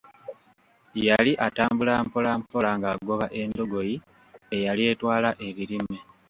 Yali atambula mpola mpola ng'agoba endogoyi eyali etwala ebirime.